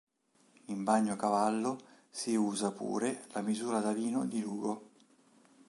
In Bagnacavallo si usa pure la misura da vino di Lugo.